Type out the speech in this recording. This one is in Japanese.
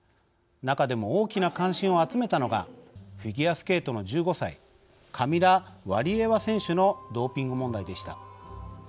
中でも、大きな関心を集めたのがフィギュアスケートの１５歳カミラ・ワリエワ選手のドーピング問題でした。